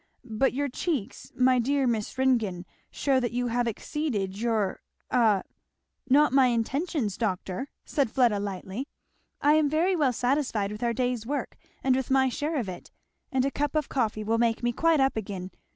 but your cheeks, my dear Miss Ringgan, shew that you have exceeded your a " "Not my intentions, doctor," said Fleda lightly. "I am very well satisfied with our day's work, and with my share of it, and a cup of coffee will make me quite up again.